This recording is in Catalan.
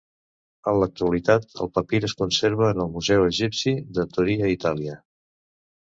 En l'actualitat el papir es conserva en el Museu Egipci de Torí a Itàlia.